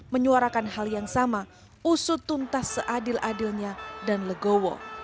menyuarakan hal yang sama usutuntas seadil adilnya dan legowo